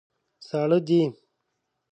ساړه دي.